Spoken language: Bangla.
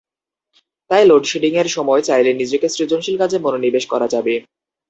তাই লোডশেডিংয়ের সময় চাইলে নিজেকে সৃজনশীল কাজে মনোনিবেশ করা যাবে।